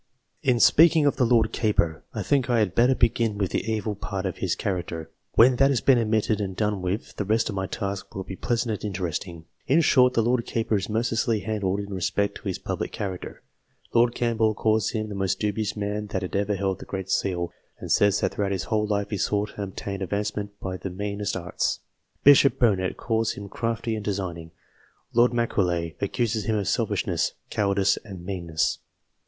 In speaking of the Lord Keeper, I think I had better begin with the evil part of his character. When that has been admitted and done with, the rest of my task will be pleasant and interesting. In short, the Lord Keeper is mercilessly handled in respect to his public character. Lord Campbell calls him the most odious man that ever held the Great Seal, and says that throughout his whole life he sought and obtained advancement by the meanest arts. Bishop Burnet calls him crafty and designing. Lord Macaulay accuses him of selfishness, cowardice, and mean ness.